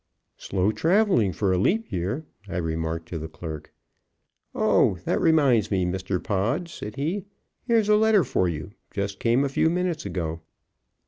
"Slow traveling for a LEAP year," I remarked to the clerk. "Oh, that reminds me, Mr. Pod," said he; "here's a letter for you just came a few minutes ago."